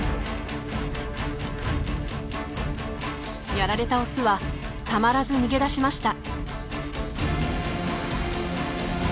やられたオスはたまらず逃げ出しました。